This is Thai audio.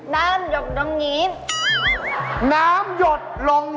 น้ำหยดลงหินน้ำหยดลงหิน